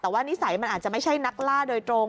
แต่ว่านิสัยมันอาจจะไม่ใช่นักล่าโดยตรง